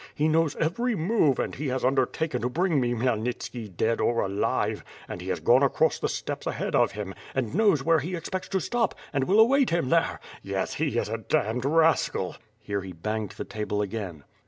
He knows every move and has undertaken to bring me Khmyelnitski dead or alive, and he has gone across the steppes ahead of him, and knows where he expects to stop, and will await him there. Yes, he is a damned rascal.'' Here he banged the table again.